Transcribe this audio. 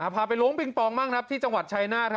พาไปล้วงปิงปองบ้างที่จังหวัดชัยหน้า